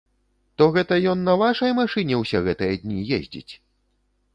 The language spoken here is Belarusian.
То гэта ён на вашай машыне ўсе гэтыя дні ездзіць?